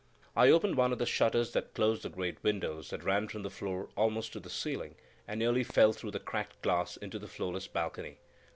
I opened one of the shutters, that closed the great windows that ran from the floor almost to the ceiling, and nearly fell through the cracked glass into the floorless balcony.